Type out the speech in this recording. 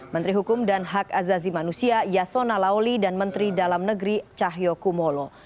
menteri hukum dan hak azazi manusia yasona laoli dan menteri dalam negeri cahyo kumolo